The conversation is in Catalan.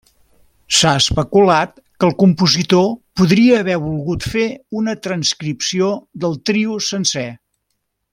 S'ha especulat que el compositor podria haver volgut fer una transcripció del trio sencer.